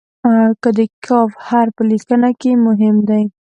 د "ک" حرف په لیکنه کې مهم دی.